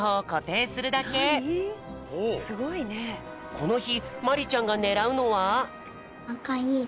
このひまりちゃんがねらうのは？